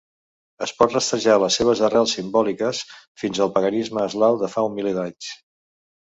Es pot rastrejar les seves arrels simbòliques fins al paganisme eslau de fa un miler d'anys.